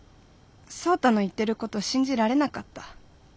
創太の言ってること信じられなかった。